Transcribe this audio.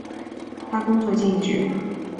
他工作尽职。